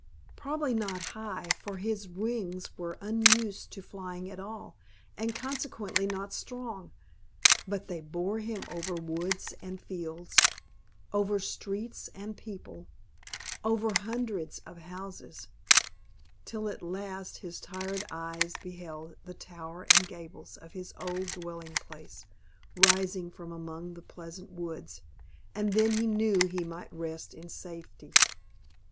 Probably not high; for his wings were unused to flying at all, and consequently not strong; but they bore him over woods and fields, over streets and people, over hundreds of houses, till at last his tired eyes beheld the tower and gables of his old dwelling place rising from among the pleasant woods, and then he knew he might rest in safety.